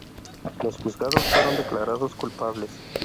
Los juzgados fueron declarados culpables.